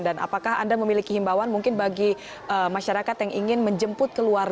dan apakah anda memiliki himbawan mungkin bagi masyarakat yang ingin menjemput keluarga